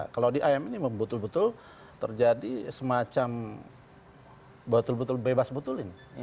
kalau di ayam ini membutuh butuh terjadi semacam butuh butuh bebas butuhin